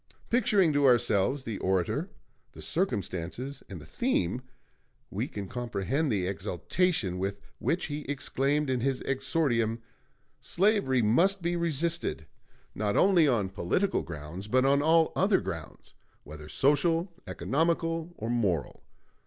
Picturing to ourselves the orator, the circumstances, and the theme, we can comprehend the exaltation with which he exclaimed in his exordium: "Slavery must be resisted not only on political grounds, but on all other grounds, whether social, economical, or moral.